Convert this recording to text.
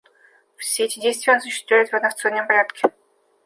Все эти действия он осуществляет в одностороннем порядке.